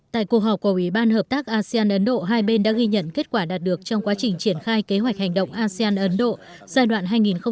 tại cuộc họp của ủy ban hợp tác asean ấn độ hai bên đã ghi nhận kết quả đạt được trong quá trình triển khai kế hoạch hành động asean ấn độ giai đoạn hai nghìn một mươi năm hai nghìn hai mươi